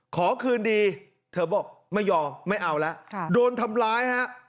ขอคืนดีเธอบอกไม่ยอมไม่เอาแล้วโดนทำร้ายฮะ